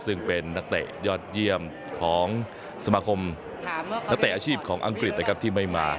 ซึ่งเป็นนักเตะยอดเยี่ยมของสมาคมนักเตะอาชีพของอังกฤษนะครับที่ไม่มา